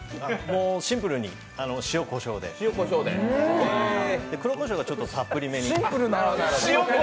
シンプルに塩こしょうで黒こしょうがたっぷりめに。